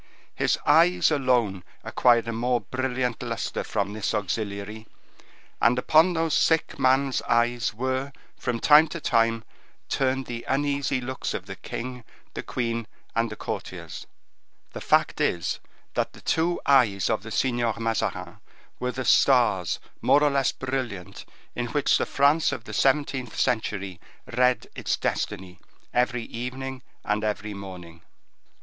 His eyes alone acquired a more brilliant luster from this auxiliary, and upon those sick man's eyes were, from time to time, turned the uneasy looks of the king, the queen, and the courtiers. The fact is, that the two eyes of the Signor Mazarin were the stars more or less brilliant in which the France of the seventeenth century read its destiny every evening and every morning.